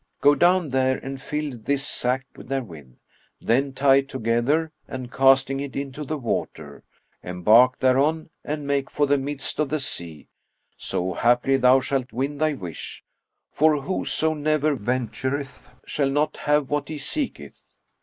Go down there and fill this sack therewith; then tie it together and, casting it into the water, embark thereon and make for the midst of the sea, so haply thou shalt win thy wish; for whoso never ventureth shall not have what he seeketh."